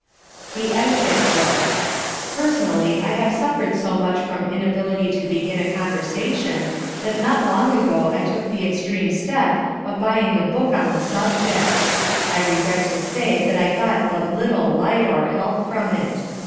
The Etiquette Book Personally I have suffered so much from inability to begin a conversation that not long ago I took the extreme step of buying a book on the subject. I regret to say that I got but little light or help from it.